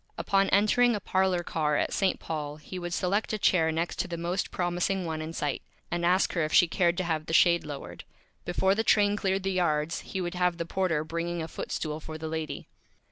Upon entering a Parlor Car at St. Paul he would select a Chair next to the Most Promising One in Sight, and ask her if she cared to have the Shade lowered. Before the Train cleared the Yards he would have the Porter bringing a Foot Stool for the Lady.